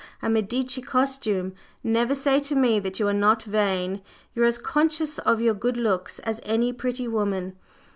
A Medici costume! Never say to me that you are not vain; you are as conscious of your good looks as any pretty woman.